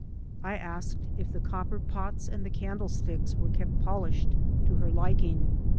I asked if the copper pots and the candle sticks were kept polished to her liking.